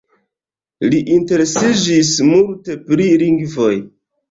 Li interesiĝis multe pri lingvoj.